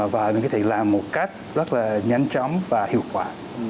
và mình có thể làm một cách rất là nhanh chóng và hiệu quả